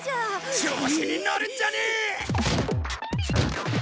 調子にのるんじゃねえ！